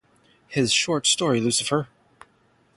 His short story Lucifer!